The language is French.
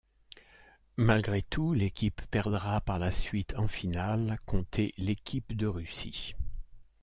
Malgré tout, l’équipe perdra par la suite en finale conter l’équipe de Russie.